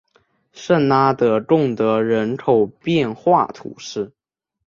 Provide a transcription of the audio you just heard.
圣拉德贡德人口变化图示